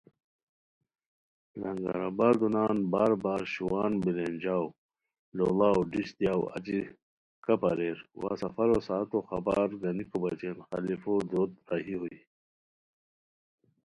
لنگر آبادو نان بار بار شووان بیلینجاؤ لوڑاؤ ڈیشٹ دیاؤ اچی کپ اریر وا سفرو ساعتو خبر گانیکو بچین خلفو دُوروت راہی ہوئے